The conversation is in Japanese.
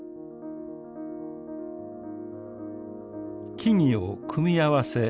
木々を組み合わせ